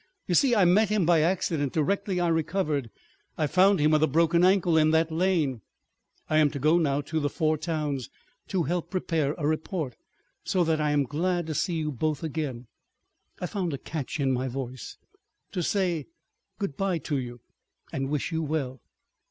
You see I met him—by accident—directly I recovered. I found him with a broken ankle—in that lane. ... I am to go now to the Four Towns to help prepare a report. So that I am glad to see you both again"—I found a catch in my voice—"to say good bye to you, and wish you well."